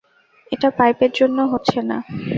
এটা পাইপের জন্য হচ্ছে না।